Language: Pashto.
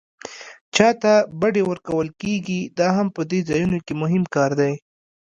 چاته بډې ورکول کېږي دا هم په دې ځایونو کې مهم کار دی.